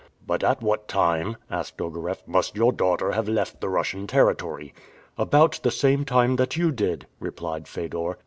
"But at what time," asked Ogareff, "must your daughter have left the Russian territory?" "About the same time that you did," replied Fedor.